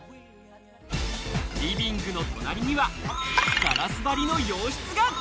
リビングの隣にはガラス張りの洋室が。